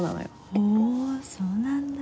ほうそうなんだ。